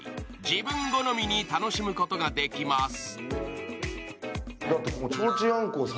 自分好みに楽しむことができます。